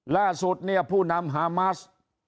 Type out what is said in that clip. ล่าสุดเนี่ยผู้นำฮามัส